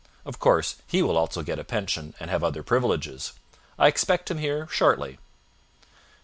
Of course he will also get a pension, and have other privileges. I expect him here shortly."